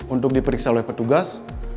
untuk diperiksa oleh petugas